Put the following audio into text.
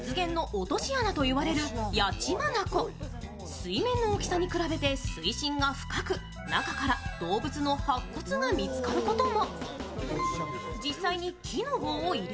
水面の大きさに比べて水深が深く、中から動物の白骨が見つかることも。